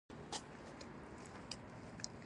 زما موبایل ته ګوګل پلی لګېدلی دی.